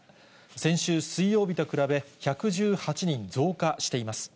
先週水曜日と比べ、１１８人増加しています。